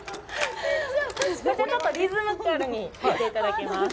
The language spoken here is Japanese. ちょっとリズミカルに行っていただきます。